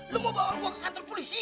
lo mau bawa gue ke kantor polisi